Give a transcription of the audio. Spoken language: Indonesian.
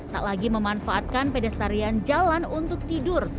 tak lagi memanfaatkan pedestarian jalan untuk tidur